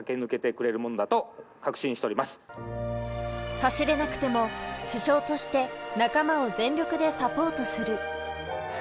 走れなくても主将として仲間を全力でサポートする。